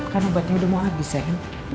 kan obatnya udah mau habis ya